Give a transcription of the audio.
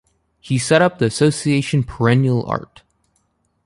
He set up the association Perennial Art.